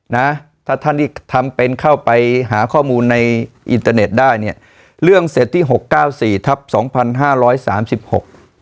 นะถ้าท่านที่ทำเป็นเข้าไปหาข้อมูลในอินเตอร์เน็ตได้เนี่ยเรื่องเสร็จที่หกเก้าสี่ทับสองพันห้าร้อยสามสิบหก